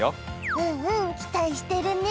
うんうん期待してるね